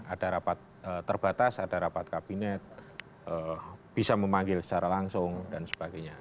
ada rapat terbatas ada rapat kabinet bisa memanggil secara langsung dan sebagainya